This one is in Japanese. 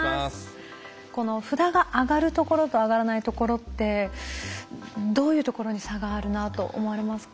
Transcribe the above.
この札が上がるところと上がらないところってどういうところに差があるなと思われますか？